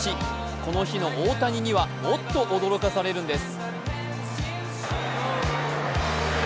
この日の大谷にはもっと驚かされるんです。